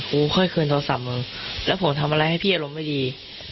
ค่อยคืนโทรศัพท์มึงแล้วผมทำอะไรให้พี่อารมณ์ไม่ดี